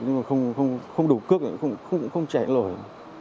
nhưng mà không đủ cước không chạy lổi